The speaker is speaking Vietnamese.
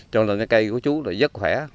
cho nên cái cây của chú là rất khỏe